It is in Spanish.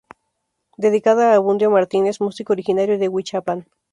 Dedicada a Abundio Martínez músico originario de Huichapan.